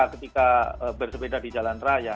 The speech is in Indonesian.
ketika bersepeda di jalan raya